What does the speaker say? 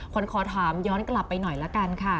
ขวัญขอถามย้อนกลับไปหน่อยแล้วกันค่ะ